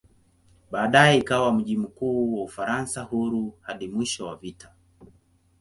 Baadaye ikawa mji mkuu wa "Ufaransa Huru" hadi mwisho wa vita.